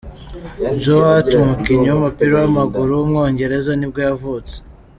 Joe Hart, umukinnyi w’umupira w’amaguru w’umwongereza nibwo yavutse.